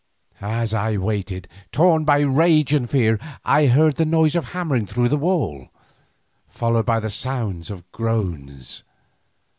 As I waited, torn by rage and fear, I heard the noise of hammering through the wall, followed by a sound of groans.